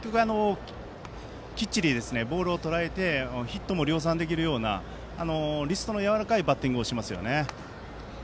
きっちりボールをとらえてヒットも量産できるようなリストのやわらかいバッティングをしますよね。